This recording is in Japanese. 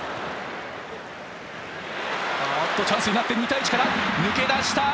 あっとチャンスになって２対１から抜け出した。